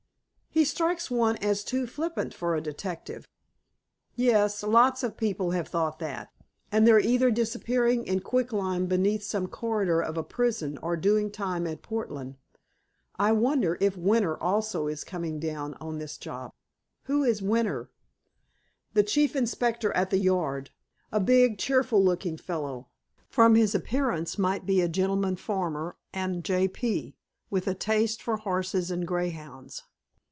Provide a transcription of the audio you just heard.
"He strikes one as too flippant for a detective." "Yes. Lots of people have thought that, and they're either disappearing in quicklime beneath some corridor of a prison, or doing time at Portland. I wonder if Winter also is coming down on this job." "Who is 'Winter'?" "The Chief Inspector at the 'Yard.' A big, cheerful looking fellow—from his appearance might be a gentleman farmer and J. P., with a taste for horses and greyhounds.